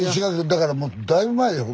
だからだいぶ前よ。